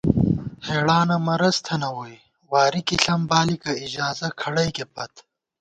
ہېڑانہ مرَض تھنہ ووئی، واری کی ݪم بالِکہ ، اجازہ کھڑَئیکےپت